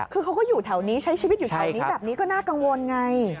คือเขาก็อยู่แถวนี้ใช้ชีวิตอยู่แถวนี้แบบนี้ก็น่ากังวลไง